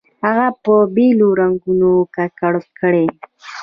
هغه په بېلو رنګونو ککړ کړئ.